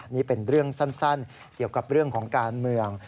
นี่เป็นเรื่องสั้นเกี่ยวกับเรื่องของการเมือง